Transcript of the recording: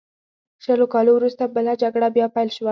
شلو کالو وروسته بله جګړه بیا پیل شوه.